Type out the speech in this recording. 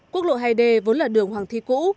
quốc lộ hai d vốn là đường hoàng thi cũ